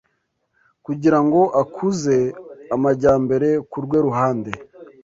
kugira ngo akuze amajyambere ku rwe ruhande,